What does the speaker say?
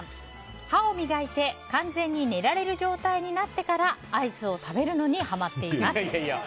歯を磨いて完全に寝られる状態になってからアイスを食べるのにはまっています。